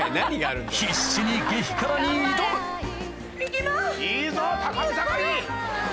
必死に激辛に挑む行きます！